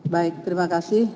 baik terima kasih